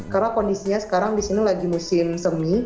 karena kondisinya sekarang di sini lagi musim semi